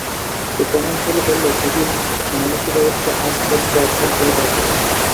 এই কমেন্টসগুলি পড়লে জুডির মানসিক অবস্থা আঁচ করতে আপনার সুবিধা হতে পারে!